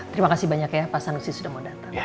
terima kasih banyak ya pak sanusi sudah mau datang